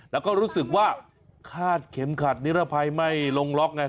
แล้วก็รู้สึกว่าคาดเข็มขัดนิรภัยไม่ลงล็อกไง